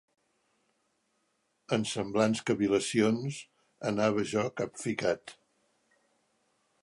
En semblants cavil·lacions anava jo capficat.